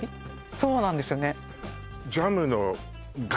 そうなんですよね